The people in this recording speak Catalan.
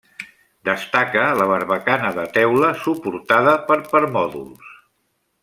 Destaca la barbacana de teula suportada per permòdols.